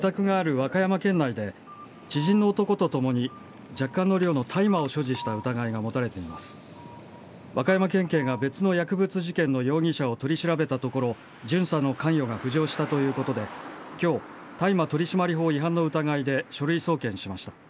和歌山県警が別の薬物事件の容疑者を取り調べたところ巡査の関与が浮上したということで今日、大麻取締法違反の疑いで書類送検しました。